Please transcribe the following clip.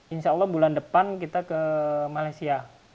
insya allah bulan depan kita ke malaysia